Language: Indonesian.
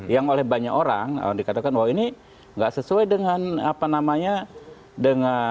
yang oleh banyak orang dikatakan bahwa ini nggak sesuai dengan apa namanya dengan